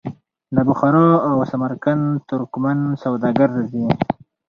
د بخارا او سمرقند ترکمن سوداګر راځي.